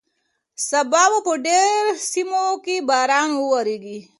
سبا به په ډېرو سیمو کې باران وورېږي.